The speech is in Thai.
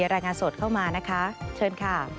รายงานสดเข้ามานะคะเชิญค่ะ